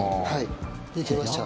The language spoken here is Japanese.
出てきました。